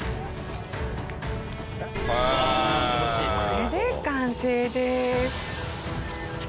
これで完成です。